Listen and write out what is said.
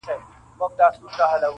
زما او ستا دي له دې وروسته شراکت وي-